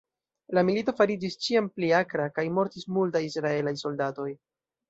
La milito fariĝis ĉiam pli akra, kaj mortis multaj Israelaj soldatoj.